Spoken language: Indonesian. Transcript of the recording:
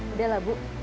udah lah bu